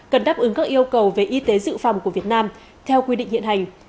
cần đáp ứng các yêu cầu về y tế dự phòng của việt nam theo quy định hiện hành